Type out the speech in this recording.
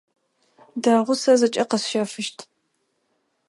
Дэгъу, сэ зэкӏэ къэсщэфыщт.